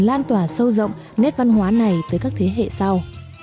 lan tỏa sâu rộng nét văn hóa này tới các thế hệ sau